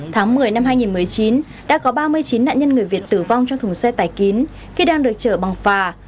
tháng một mươi năm hai nghìn một mươi chín đã có ba mươi chín nạn nhân người việt tử vong trong thùng xe tải kín khi đang được chở bằng phà